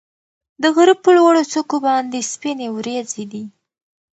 د غره په لوړو څوکو باندې سپینې وريځې دي.